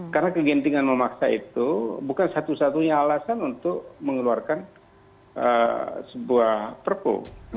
karena kegentingan memaksa itu bukan satu satunya alasan untuk mengeluarkan sebuah perpu